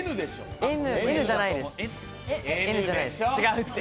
Ｎじゃないです。